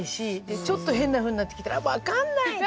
ちょっと変なふうになってきたら分かんない！って。